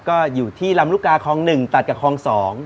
ก็อยู่ที่ลำลูกกาคลอง๑ตัดกับคลอง๒